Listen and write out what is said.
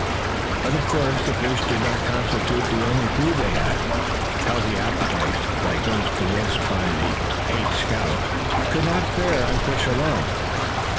But of course the fish did not constitute the only food they had. Healthy appetites like those possessed by the eight scouts could not fare on fish alone.